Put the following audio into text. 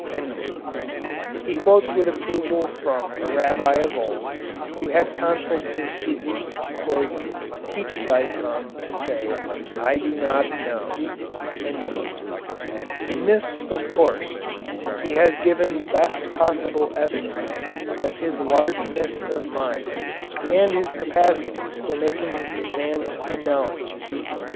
He quotes with approval from a Rabbi of old who had counselled his students, "teach thy tongue to say, I do not know." In this, of course, he has given the best possible evidence of his largeness of mind and his capacity for making advance in knowledge.